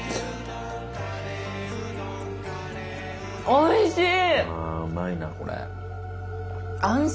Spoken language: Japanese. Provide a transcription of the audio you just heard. おいしい！